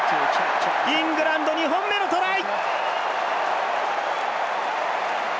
イングランド２本目のトライ！